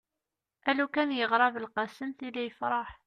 lukan yeɣra belqsem tili yefreḥ